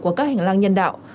của các hành lang nhân đạo